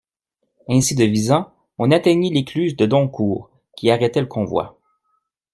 Ainsi devisant, on atteignit l'écluse de Doncourt, qui arrêtait le convoi.